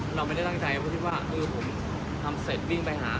เราไม่ได้ตั้งใจเพราะคิดว่าผมทำเสร็จวิ่งไปหา